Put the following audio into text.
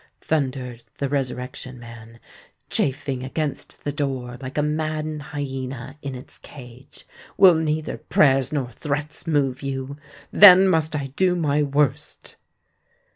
thundered the Resurrection Man, chafing against the door like a maddened hyena in its cage: "will neither prayers nor threats move you? Then must I do my worst!"